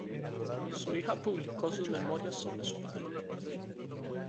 Su hija publicó sus memorias sobre su padre.